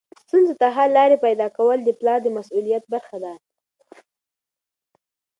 ستونزو ته حل لارې پیدا کول د پلار د مسؤلیت برخه ده.